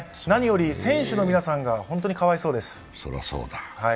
何より選手の皆さんが本当にかわいそうです。